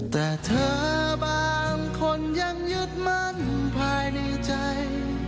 แต่เธอบางคนยังยึดมั่นภายในใจ